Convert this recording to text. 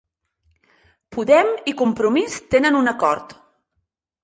Podem i Compromís tenen un acord